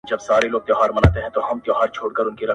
نه ، نه داسي نه ده_